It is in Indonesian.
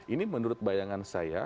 ini menurut bayangan saya